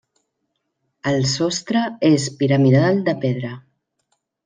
El sostre és piramidal de pedra.